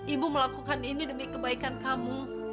ibu melakukan ini demi kebaikan kamu